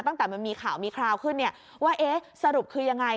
ตั้งแต่มีข่าวขึ้นว่าสรุปคือยังไง